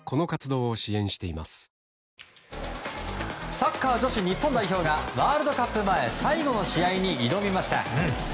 サッカー女子日本代表がワールドカップ前最後の試合に挑みました。